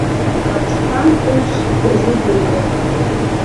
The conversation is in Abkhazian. Раԥсҭан ҭынч дырзыӡырҩуан.